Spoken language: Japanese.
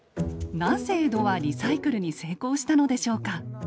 なぜ江戸はリサイクルに成功したのでしょうか？